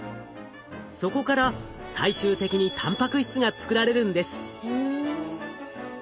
そこから最終的にたんぱく質が作られるんです。